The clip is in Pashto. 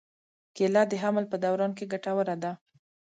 کېله د حمل په دوران کې ګټوره ده.